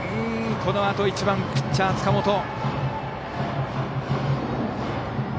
このあとは１番ピッチャーの塚本。